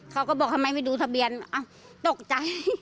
เขาก็บอกทำไมไม่ดูทะเบียนตกใจ